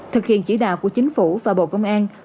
thực hiện chỉ đạo của chính phủ và bộ công an